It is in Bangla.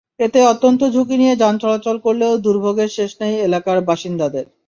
এতে অত্যন্ত ঝুঁকি নিয়ে যান চলাচল করলেও দুর্ভোগের শেষ নেই এলাকার বাসিন্দাদের।